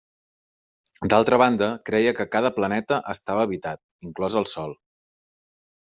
D'altra banda, creia que cada planeta estava habitat, inclòs el Sol.